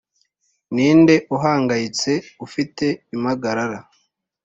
ninde uhangayitse, ufite impagarara